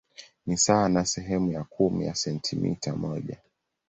Ni sawa na sehemu ya kumi ya sentimita moja.